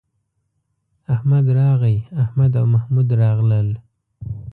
احمد راغی، احمد او محمود راغلل